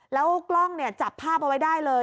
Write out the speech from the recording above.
แล้วกล้องเนี่ยจับภาพเอาไว้ได้เลย